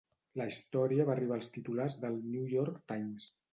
La història va arribar als titulars del "New York Times".